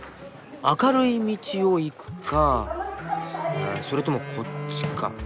明るい道を行くかそれともこっちか。